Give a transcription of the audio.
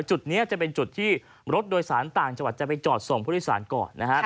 แต่จุดนี้จะเป็นจุดที่รถโดยสารต่างจวัดจะไปจอดส่งพฤษศาลก่อนนะครับ